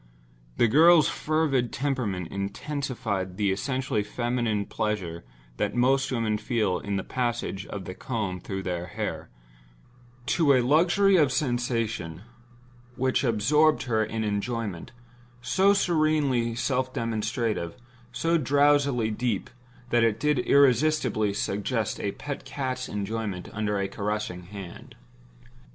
The girl's fervid temperament intensified the essentially feminine pleasure that most women feel in the passage of the comb through their hair, to a luxury of sensation which absorbed her in enjoyment, so serenely self demonstrative, so drowsily deep that it did irresistibly suggest a pet cat's enjoyment under a caressing hand.